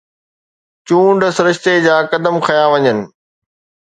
چونڊ سرشتي جا قدم کنيا وڃن